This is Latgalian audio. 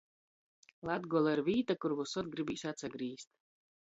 Latgola ir vīta, kur vysod gribīs atsagrīzt...